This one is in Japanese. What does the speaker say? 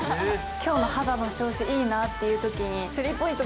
きょうの肌の調子いいなっていうときに、スリーポイント